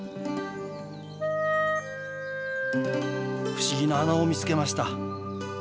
不思議な穴を見つけました。